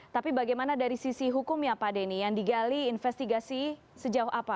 tapi bagaimana dari sisi hukumnya pak denny yang digali investigasi sejauh apa